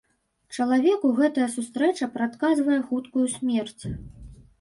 Чалавеку гэтая сустрэча прадказвае хуткую смерць.